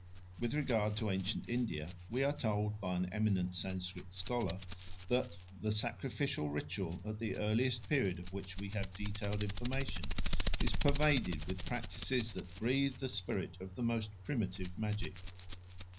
With regard to ancient India we are told by an eminent Sanscrit scholar that "the sacrificial ritual at the earliest period of which we have detailed information is pervaded with practices that breathe the spirit of the most primitive magic."